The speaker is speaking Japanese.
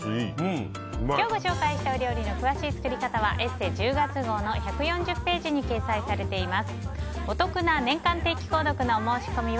今日ご紹介したお料理の詳しい作り方は「ＥＳＳＥ」１０月号の１４０ページに掲載されています。